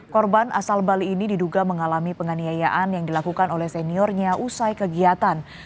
korban asal bali ini diduga mengalami penganiayaan yang dilakukan oleh seniornya usai kegiatan